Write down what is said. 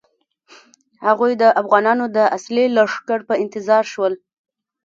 هغوی د افغانانو د اصلي لښکر په انتظار شول.